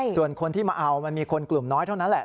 ส่วนคนที่มาเอามันมีคนกลุ่มน้อยเท่านั้นแหละ